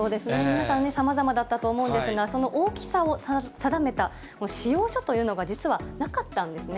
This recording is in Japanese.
皆さんね、さまざまだったと思うんですが、その大きさを定めた仕様書というのが、実はなかったんですね。